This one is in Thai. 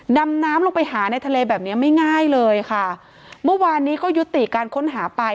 ดำน้ำลงไปหาในทะเลแบบเนี้ยไม่ง่ายเลยค่ะเมื่อวานนี้ก็ยุติการค้นหาไป